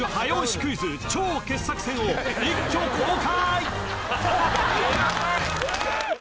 クイズ超傑作選を一挙公開！